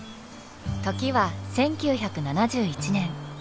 時は１９７１年。